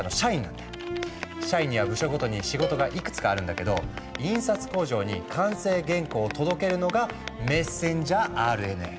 社員には部署ごとに仕事がいくつかあるんだけど印刷工場に完成原稿を届けるのがメッセンジャーＲＮＡ。